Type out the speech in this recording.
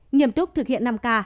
nghiêm túc thực hiện năm k